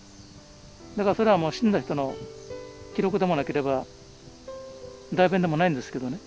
だからそれはもう死んだ人の記録でもなければ代弁でもないんですけどね。